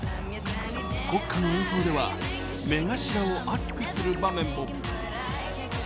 国歌の演奏では目頭を熱くする場面も。